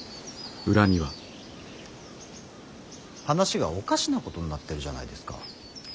話がおかしなことになってるじゃないですか。